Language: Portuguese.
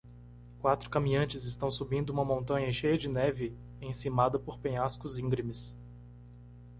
Quatro caminhantes estão subindo uma montanha cheia de neve encimada por penhascos íngremes.